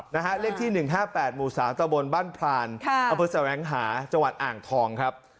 นะฮะเลขที่๑๕๘หมู่๓ตะวบนบ้านพรานออังหาจอ่างทองครับ